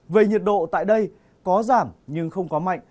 về nhiệt độ tại đây có giảm nhưng không quá mạnh